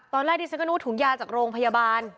ตอนแรกที่สักครู่ถุงยาจากโรงพยาบาล